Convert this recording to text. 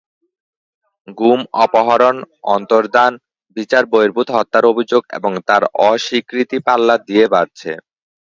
গুম, অপহরণ, অন্তর্ধান, বিচারবহির্ভূত হত্যার অভিযোগ এবং তার অস্বীকৃতি পাল্লা দিয়ে বাড়ছে।